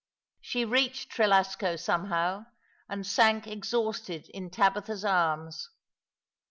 She reached Trelasco somehow, and sank exhausted in Tabitha's arms.